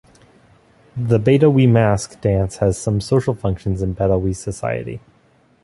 The Betawi mask dance has some social functions in Betawi society.